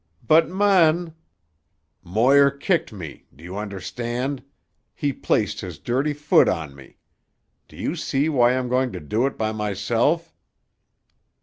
"But man——" "Moir kicked me. Do you understand? He placed his dirty foot on me. Do you see why I'm going to do it by myself?"